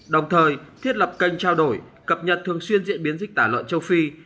đồng thời thiết lập kênh trao đổi cập nhật thường xuyên diễn biến dịch tả lợn châu phi